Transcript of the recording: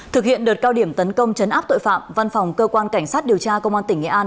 thực hiện đợt cao điểm tấn công chấn áp tội phạm văn phòng cơ quan cảnh sát điều tra công an tỉnh nghệ an